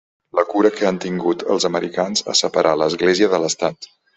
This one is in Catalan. La cura que han tingut els americans a separar l'Església de l'Estat.